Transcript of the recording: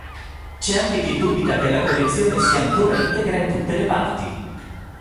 C'è anche chi dubita che la collezione sia ancora integra in tutte le parti.